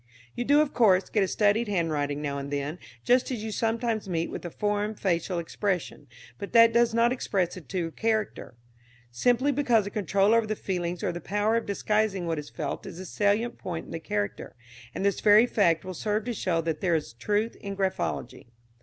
"You do, of course, get a studied handwriting now and then, just as you sometimes meet with a formed facial expression. But that does not express the true character, simply because the control over the feelings or the power of disguising what is felt is a salient point in the character; and this very fact will serve to show that there is truth in graphology.